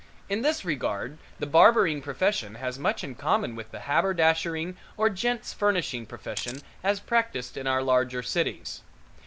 In this regard the barbering profession has much in common with the haberdashering or gents' furnishing profession as practiced in our larger cities.